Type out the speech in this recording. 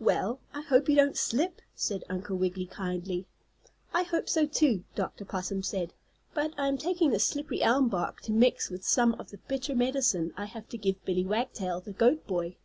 "Well, I hope you don't slip," said Uncle Wiggily, kindly. "I hope so, too," Dr. Possum said. "But I am taking this slippery elm bark to mix with some of the bitter medicine I have to give Billie Wagtail, the goat boy.